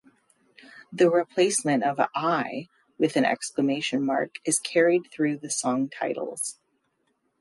The replacement of "i" with an exclamation mark is carried through the song titles.